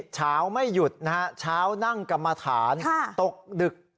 เช้าไม่หยุดนะฮะเช้านั่งกรรมฐานตกดึก